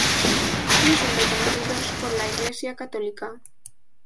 No son reconocidos por la Iglesia católica.